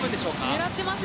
狙っています。